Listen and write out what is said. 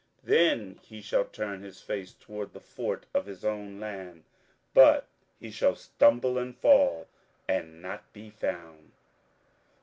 27:011:019 Then he shall turn his face toward the fort of his own land: but he shall stumble and fall, and not be found.